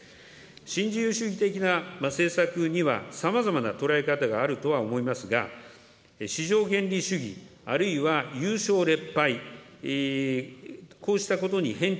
新自由主義的な政策には、さまざまな捉え方があるとは思いますが、市場原理主義、あるいはゆうしょうれっ